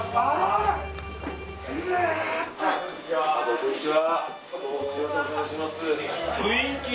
こんにちは。